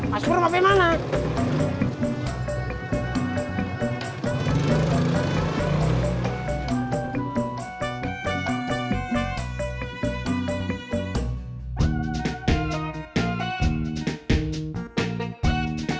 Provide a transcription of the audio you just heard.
mas pur mau ke mana mas pur mau ke mana